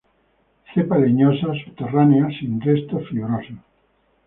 Cepa leñosa, subterránea, sin restos fibrosos.